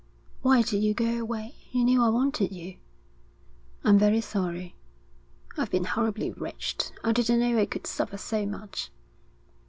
'Why did you go away? You knew I wanted you.' 'I'm very sorry.' 'I've been horribly wretched. I didn't know I could suffer so much.'